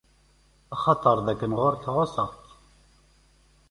Axaṭer d-kkren ɣur-k, ɛuṣan-k.